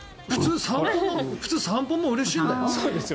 普通、散歩もうれしいよ。